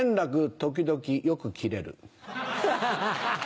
時々よくキレる。